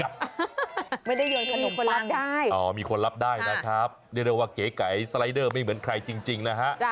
ไม่ได้โยนขนมคนรับได้มีคนรับได้นะครับเรียกได้ว่าเก๋ไก่สไลเดอร์ไม่เหมือนใครจริงนะฮะ